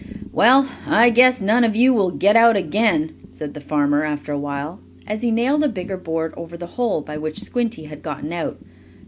"Well, I guess none of you will get out again," said the farmer, after a while, as he nailed a bigger board over the hole by which Squinty had gotten out.